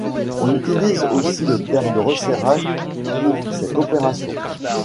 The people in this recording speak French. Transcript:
On utilise aussi le terme de resserrage pour cette opération.